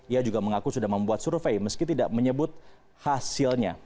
ia juga mengaku sudah membuat survei meski tidak menyebut hasilnya